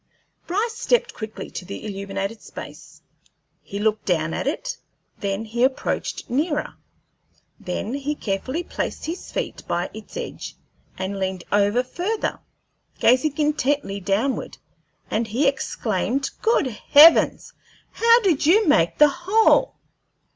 Bryce stepped quickly to the illuminated space. He looked down at it; then he approached nearer; then he carefully placed his feet by its edge and leaned over further, gazing intently downward, and he exclaimed, "Good heavens! How did you make the hole?"